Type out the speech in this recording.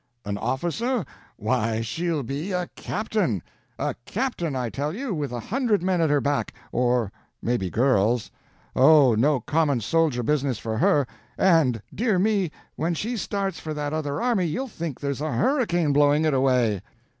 An officer? Why, she'll be a captain! A captain, I tell you, with a hundred men at her back—or maybe girls. Oh, no common soldier business for her! And, dear me, when she starts for that other army, you'll think there's a hurricane blowing it away!"